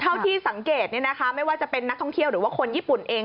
เท่าที่สังเกตไม่ว่าจะเป็นนักท่องเที่ยวหรือว่าคนญี่ปุ่นเอง